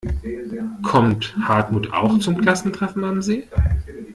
Kommt Hartmut auch zum Klassentreffen am See?